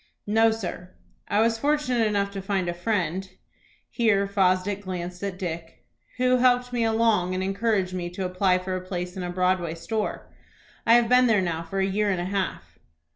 "No, sir; I was fortunate enough to find a friend," here Fosdick glanced at Dick, "who helped me along, and encouraged me to apply for a place in a Broadway store. I have been there now for a year and a half."